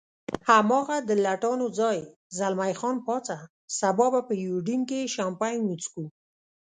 هماغه د لټانو ځای، زلمی خان پاڅه، سبا به په یوډین کې چامپېن وڅښو.